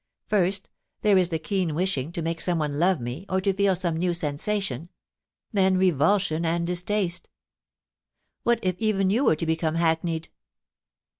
First, there is the keen wishing to make some one love me or to feel some new sensation ; then revulsion and distaste. What if even you were to become hackneyed